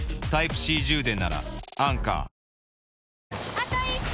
あと１周！